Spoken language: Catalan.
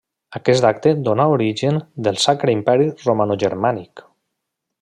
Aquest acte dóna origen del Sacre Imperi Romanogermànic.